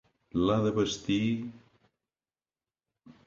L'ha de vestir...